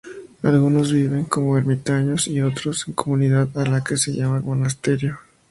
Algunos viven como ermitaños y otros en comunidad, a la que se llama monasterio.